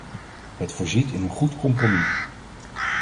Het voorziet in een goed compromis.